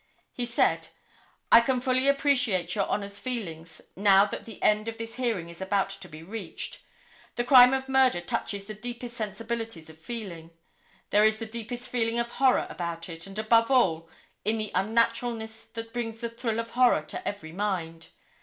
He said: "I can fully appreciate Your Honor's feelings, now that the end of this hearing is about to be reached. The crime of murder touches the deepest sensibilities of feeling. There is the deepest feeling of horror about it, and above all in the unnaturalness that brings the thrill of horror to every mind.